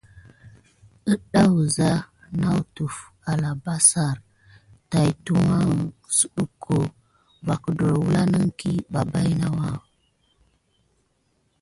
Əɗa wəza naguluy na alabassare tay tuwa suɗucko va kədawlanəŋ ɓa bayna.